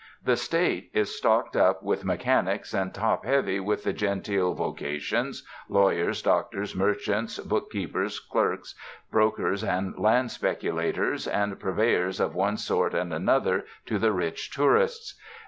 The State is stocked up with mechanics and top heavy with the genteel vocations — lawyers, doctors, merchants, bookkeepers, clerks, brokers and land speculators, and purveyors of one sort and another to the rich tourists.